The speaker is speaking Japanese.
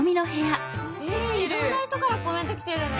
いろんな人からコメント来てるね！